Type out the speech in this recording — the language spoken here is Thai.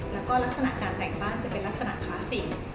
แล้วก็ลักษณะการแต่งบ้านจะเป็นลักษณะคลาสสิก